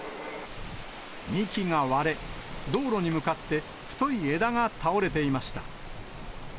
幹が割れ、道路に向かって太い枝が倒れていました。